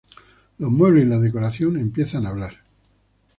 Los muebles y la decoración empiezan a hablar.